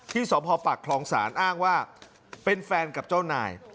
ที่สมภปรักษ์คลองศาลอ้างว่าเป็นแฟนกับเจ้านาย